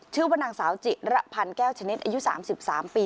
ชื่อว่านางสาวจิระพันธ์แก้วชนิดอายุ๓๓ปี